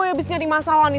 abis nyari masalah nih